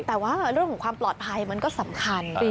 แต่ว่าเรื่องของความปลอดภัยมันก็สำคัญ